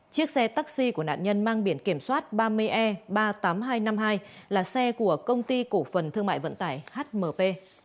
chiếc xe taxi của nạn nhân mang biển kiểm soát ba mươi e ba mươi tám nghìn hai trăm năm mươi hai là xe của công ty cổ phần thương mại vận tải hmp